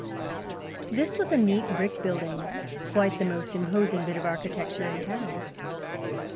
This was a neat brick building, quite the most imposing bit of architecture in town.